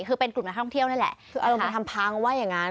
คือเป็นกลุ่มนักท่องเที่ยวนั่นแหละคืออารมณ์มันทำพังว่าอย่างนั้น